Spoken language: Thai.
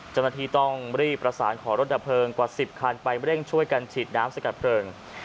เจ้าหน้าที่ต้องรีบประสานขอรถดับเพลิงกว่า๑๐คันไปเร่งช่วยกันฉีดน้ำสกัดเพลิง